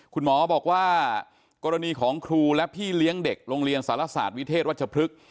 คุณหมอบอกว่ากรณีของครูและพี่เลี้ยงเด็กโรงเรียนสารศาสตร์วิเทศวัชพฤกษ์